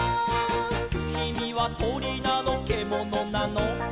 「きみはとりなのけものなの」